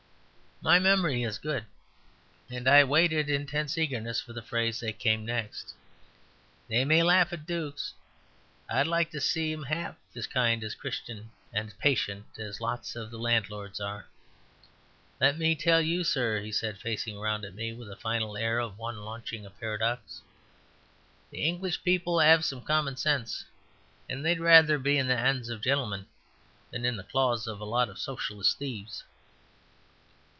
My memory is good, and I waited in tense eagerness for the phrase that came next. "They may laugh at Dukes; I'd like to see them 'alf as kind and Christian and patient as lots of the landlords are. Let me tell you, sir," he said, facing round at me with the final air of one launching a paradox. "The English people 'ave some common sense, and they'd rather be in the 'ands of gentlemen than in the claws of a lot of Socialist thieves."